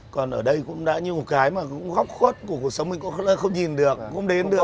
còn ở đây cũng đã như một cái mà góc khuất của cuộc sống mình cũng không nhìn được không đến được